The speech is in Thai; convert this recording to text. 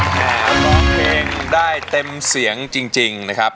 ร้องเพลงได้เต็มเสียงจริงนะครับ